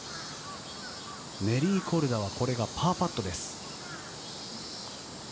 ネリー・コルダは、これがパーパットです。